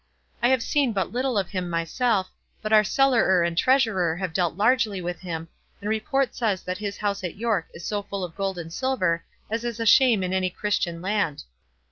—I have seen but little of him myself, but our cellarer and treasurer have dealt largely with him, and report says that his house at York is so full of gold and silver as is a shame in any Christian land.